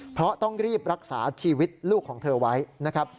เพราะต้องรีบรักษาชีวิตลูกของเธอไว้นะครับ